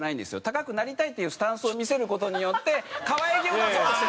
高くなりたいというスタンスを見せる事によって可愛げを出そうとしてるだけ。